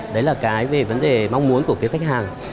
đấy là cái về vấn đề mong muốn của phía khách hàng